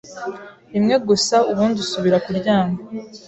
rimwe gusa ubundi asubira kuryama